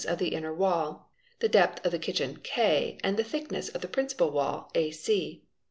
C bof the inner wall, the depth of the Fig. 80. kitchen A, and the thickness of the principal wall a ce.